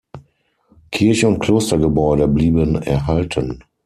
Kirche und Klostergebäude blieben erhalten.